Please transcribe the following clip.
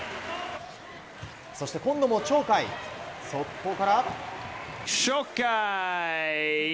そして今度も鳥海、速攻から。